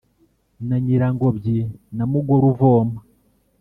na nyirangobyi na mugoruvoma,